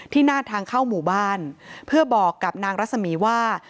หน้าทางเข้าหมู่บ้านเพื่อบอกกับนางรัศมีว่า